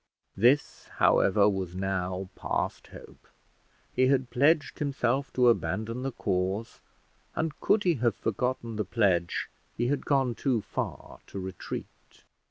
This, however, was now past hope. He had pledged himself to abandon the cause; and could he have forgotten the pledge, he had gone too far to retreat.